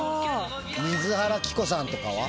水原希子さんとかは？